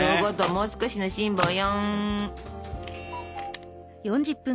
もう少しの辛抱よ。